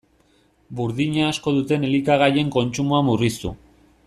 Burdina asko duten elikagaien kontsumoa murriztu.